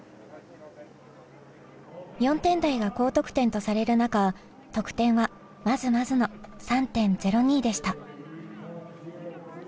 ４点台が高得点とされる中得点はまずまずの３．０２でした。